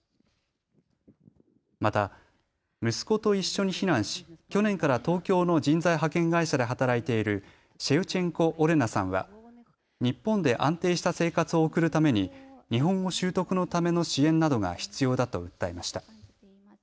また息子と一緒に避難し去年から東京の人材派遣会社で働いているシェウチェンコ・オレナさんは日本で安定した生活を送るために日本語習得のための支援などが必要だと訴えました。